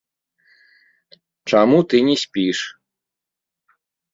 Чаму ты не спіш?